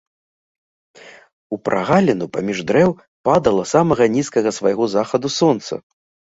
У прагаліну паміж дрэў падала з самага нізкага свайго захаду сонца.